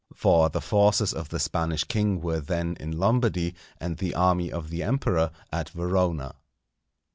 For the forces of the Spanish king were then in Lombardy, and the army of the Emperor at Verona.